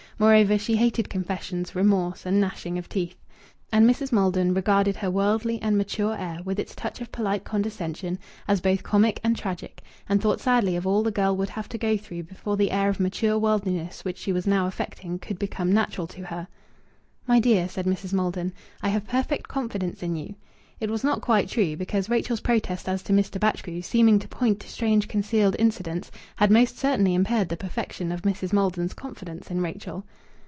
Moreover, she hated confessions, remorse, and gnashing of teeth. And Mrs. Maldon regarded her worldly and mature air, with its touch of polite condescension, as both comic and tragic, and thought sadly of all the girl would have to go through before the air of mature worldliness which she was now affecting could become natural to her. "My dear," said Mrs. Maldon, "I have perfect confidence in you." It was not quite true, because Rachel's protest as to Mr. Batchgrew, seeming to point to strange concealed incidents, had most certainly impaired the perfection of Mrs. Maiden's confidence in Rachel.